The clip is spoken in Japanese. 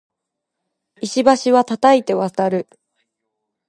石橋は叩いて渡る